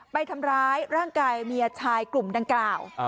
ไปทำร้ายร่างกายเมียชายกลุ่มดังกล่าว